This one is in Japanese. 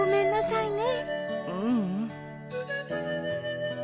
ううん。